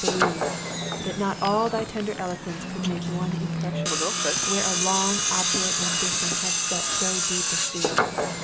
believe, that not all thy tender eloquence could make one impression, where a long obdurate ambition hath set so deep a seal.